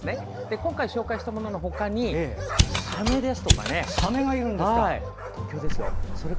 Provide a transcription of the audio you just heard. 今回、紹介したもののほかにサメですとかてんとう